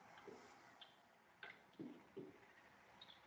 利贝泰堡是法属圣多明戈时期的重要港口。